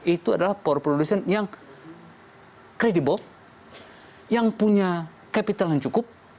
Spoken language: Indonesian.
itu adalah power producer yang kredibel yang punya capital yang cukup